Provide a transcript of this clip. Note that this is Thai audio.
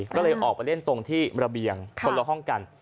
ก็เลยออกไปเล่นตรงที่ระเบียงคนละห้องกัน